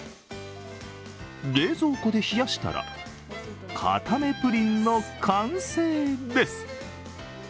冷蔵庫で冷やしたら、かためプリンの完成です。